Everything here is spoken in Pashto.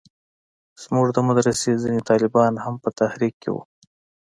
زموږ د مدرسې ځينې طالبان هم په تحريک کښې وو.